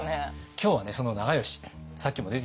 今日はねその長慶さっきも出てきました。